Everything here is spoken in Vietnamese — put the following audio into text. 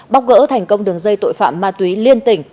bóc gỡ thành công đường dây tội phạm ma túy liên tỉnh